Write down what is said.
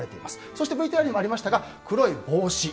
そして、ＶＴＲにもありましたが黒い帽子。